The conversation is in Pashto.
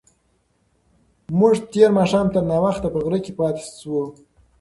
موږ تېر ماښام تر ناوخته په غره کې پاتې شوو.